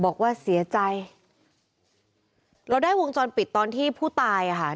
บอกว่าเสียใจเราได้วงจรปิดตอนที่ผู้ตายอ่ะค่ะ